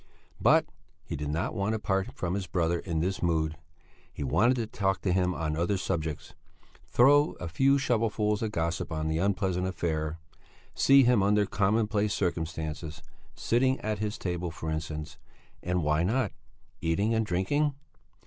But he did not want to part from his brother in this mood; he wanted to talk to him on other subjects; throw a few shovelfuls of gossip on the unpleasant affair, see him under commonplace circumstances, sitting at his table, for instance and why not eating and drinking?